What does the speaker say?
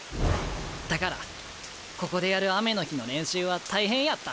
だからここでやる雨の日の練習は大変やった。